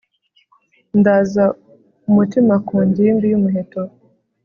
ndaza umutima ku ngimbi yumuheto